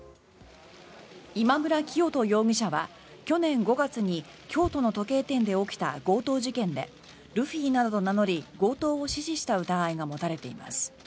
今村磨人容疑者は去年５月に京都の時計店で起きた強盗事件でルフィなどと名乗り強盗を指示した疑いが持たれています。